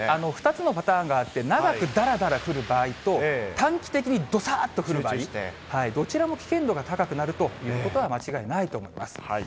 ２つのパターンがあって、長くだらだら降る場合と、短期的にどさっと降る場合、どちらも危険度が高くなるということは間違いないと思います。